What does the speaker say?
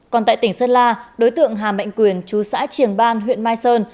còn tại tỉnh sơn la đối tượng hà mạnh quyền chú xã triềng ban huyện mai sơn